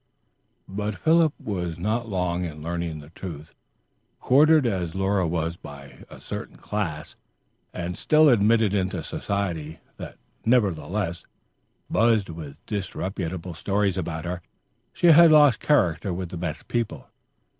But Philip was not long in learning the truth. Courted as Laura was by a certain class and still admitted into society, that, nevertheless, buzzed with disreputable stories about her, she had lost character with the best people.